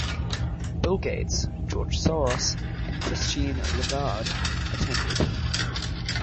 Bill Gates, George Soros and Christine Lagarde attended.